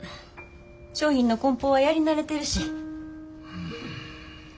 商品のこん包はやり慣れてるし。